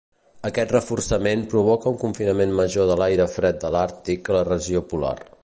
Aquest reforçament provoca un confinament major de l'aire fred de l'Àrtic a la regió polar.